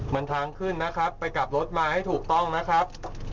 มันทางขึ้นนะครับไปกลับรถมาให้ถูกต้องนะครับ